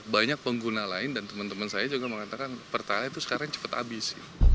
banyak pengguna lain dan teman teman saya juga mengatakan pertalite itu sekarang cepat habis